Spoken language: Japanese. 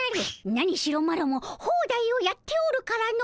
何しろマロもホーダイをやっておるからの！